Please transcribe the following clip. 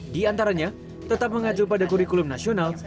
di antaranya tetap mengacu pada kurikulum nasional